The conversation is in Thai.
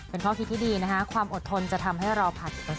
เป็นข้อคิดที่ดีนะคะความอดทนจะทำให้เราผ่าน